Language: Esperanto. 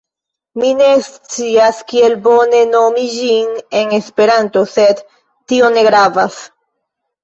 Mi ne scias kiel bone nomi ĝin en Esperanto, sed tio ne gravas.